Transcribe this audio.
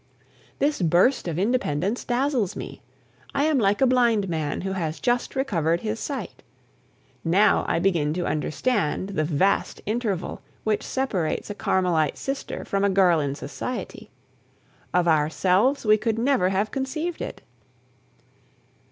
This burst of independence dazzles me. I am like a blind man who has just recovered his sight. Now I begin to understand the vast interval which separates a Carmelite sister from a girl in society. Of ourselves we could never have conceived it.